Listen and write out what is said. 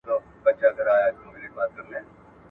نارنج ګل مي پر زړه ګرځي انارګل درڅخه غواړم `